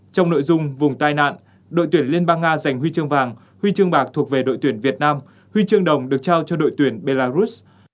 trong nội dung vùng tai nạn đội tuyển liên bang nga giành huy chương vàng huy chương bạc thuộc về đội tuyển việt nam huy chương đồng được trao cho đội tuyển belarus